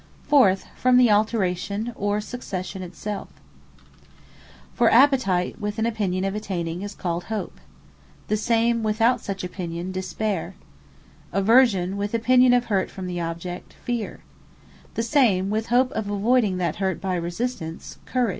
Fourthly, from the Alteration or succession it selfe. Hope For Appetite with an opinion of attaining, is called HOPE. Despaire The same, without such opinion, DESPAIRE. Feare Aversion, with opinion of Hurt from the object, FEARE. Courage The same, with hope of avoyding that Hurt by resistance, COURAGE.